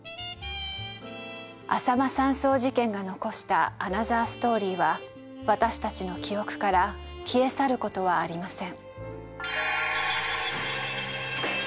あさま山荘事件が残したアナザーストーリーは私たちの記憶から消え去る事はありません。